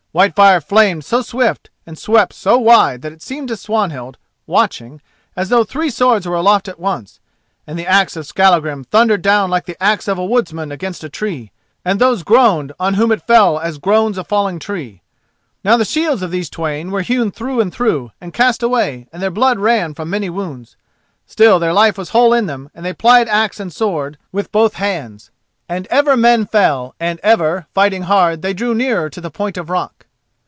Whitefire flamed so swift and swept so wide that it seemed to Swanhild, watching, as though three swords were aloft at once, and the axe of Skallagrim thundered down like the axe of a woodman against a tree, and those groaned on whom it fell as groans a falling tree. Now the shields of these twain were hewn through and through, and cast away, and their blood ran from many wounds. Still, their life was whole in them and they plied axe and sword with both hands. And ever men fell, and ever, fighting hard, they drew nearer to the point of rock.